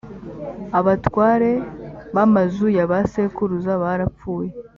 abatware b ‘amazu ya ba sekuruza barapfuye.